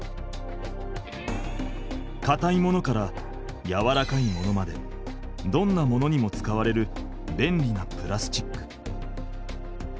かたいものからやわらかいものまでどんなものにも使われる便利なプラスチック。